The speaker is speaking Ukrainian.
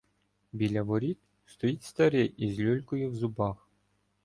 Біля воріт стоїть старий із люлькою в зубах.